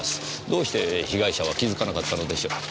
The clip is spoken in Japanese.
どうして被害者は気づかなかったのでしょう？